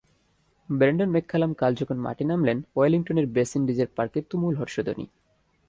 Brendon McCullum কাল যখন মাঠে নামলেন, ওয়েলিংটনের বেসিন রিজার্ভ পার্কে তুমুল হর্ষধ্বনি।